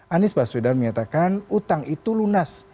anies baswedan menyatakan utang itu lunas